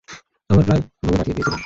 আমায় প্রায় ভোগে পাঠিয়ে দিয়েছিলে।